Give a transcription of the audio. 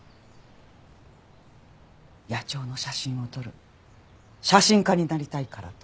野鳥の写真を撮る写真家になりたいからと。